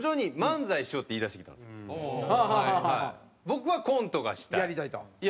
「僕はコントがしたい」